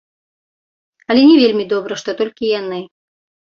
Але не вельмі добра, што толькі яны.